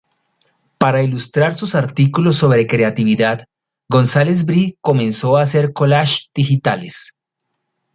Para ilustrar sus artículos sobre creatividad, González Bree comenzó a hacer collages digitales.